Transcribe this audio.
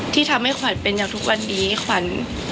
ที่ทำให้ขวัญเป็นอย่างทุกวันนี้ขวัญ